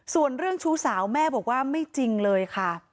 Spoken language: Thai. ส่วนเรื่องชู้สาวแม่บอกว่าไม่จริงเลยค่ะ